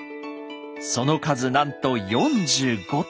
その数なんと４５点。